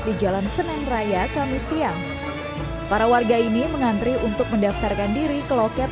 di jalan senen raya kami siang para warga ini mengantri untuk mendaftarkan diri ke loket